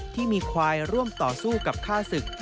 ที่มีควายร่วมต่อสู้กับฆ่าศึก